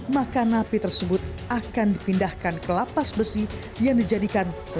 maka napi tersebut akan dipindahkan ke lapas besi yang dijadikan